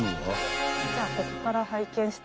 ・じゃあここから拝見して。